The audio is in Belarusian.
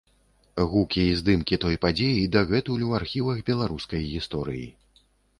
Гукі і здымкі той падзеі дагэтуль у архівах беларускай гісторыі.